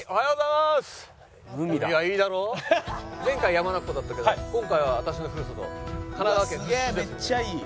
前回山中湖だったけど今回は私のふるさと神奈川県逗子市です。